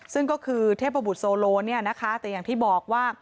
ซึ่งก็คือเทพบุรุษโซโลแต่อย่างที่บอกว่า